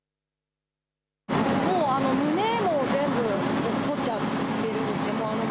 もう、棟も全部おっこっちゃってるんですね。